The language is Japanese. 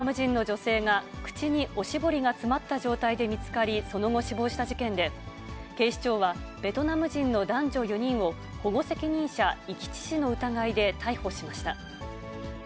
ことし５月、東京・文京区の路上で、ベトナム人の女性が口におしぼりが詰まった状態で見つかり、その後死亡した事件で、警視庁は、ベトナム人の男女４人を保護責任者遺棄致死の疑いで逮捕しました。